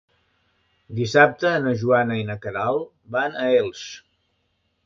Dissabte na Joana i na Queralt van a Elx.